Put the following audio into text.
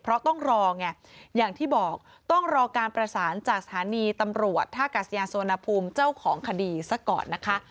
เพราะต้องรอไงอย่างที่บอกต้องรอการประสานจากสถานีตำรวจท่ากาศยานสุวรรณภูมิเจ้าของคดีซะก่อนนะคะ